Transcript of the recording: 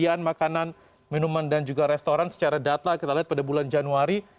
kemudian makanan minuman dan juga restoran secara data kita lihat pada bulan januari